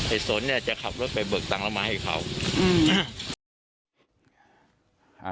ไอ้สวนเนี่ยจะขับรถไปเบิกตังละมาให้เขา